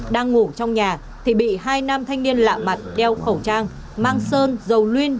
đang ngủ trong nhà thì bị hai nam thanh niên lạ mặt đeo khẩu trang mang sơn dầu luyên